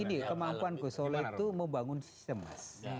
ini kemampuan ghosnola itu mau bangun sistem mas